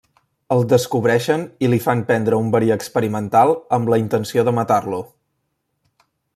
El descobreixen i li fan prendre un verí experimental amb la intenció de matar-lo.